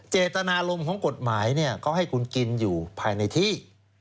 เจตนารมณ์ของกฎหมายเขาให้คุณกินอยู่ภายในที่